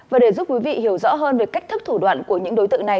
và để giúp quý vị hiểu rõ hơn về cách thức thủ đoạn của những đối tượng này